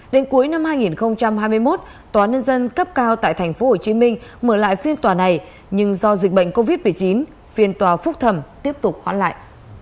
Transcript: đến cuối năm hai nghìn hai mươi một tòa nhân dân cấp cao tại tp hcm mở lại phiên tòa này nhưng do dịch bệnh covid một mươi chín phiên tòa phúc thẩm tiếp tục hoãn lại